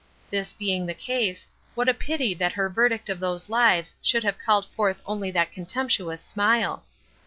This being the case, what a pity that her verdict of those lives should have called forth only that contemptuous smile!